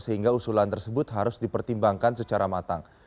sehingga usulan tersebut harus dipertimbangkan secara matang